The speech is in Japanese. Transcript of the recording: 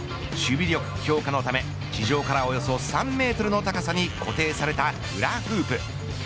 守備力強化のため地上からおよそ３メートルの高さに固定されたフラフープ。